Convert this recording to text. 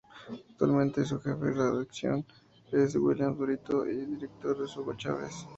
Actualmente, su Jefe de Redacción es Williams Brito, y el Director es Hugo Chávez.